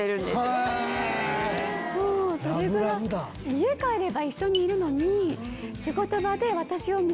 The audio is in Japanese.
家帰れば一緒にいるのに。